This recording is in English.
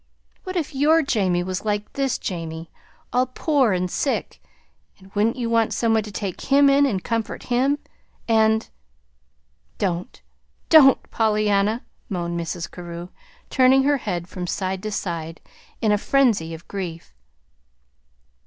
"What if your Jamie was like this Jamie, all poor and sick, wouldn't you want some one to take him in and comfort him, and " "Don't don't, Pollyanna," moaned Mrs. Carew, turning her head from side to side, in a frenzy of grief.